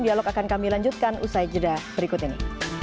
dialog akan kami lanjutkan usai jeda berikut ini